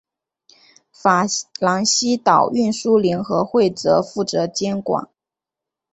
法兰西岛运输联合会则负责监管。